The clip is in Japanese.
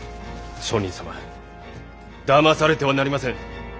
上人様だまされてはなりません。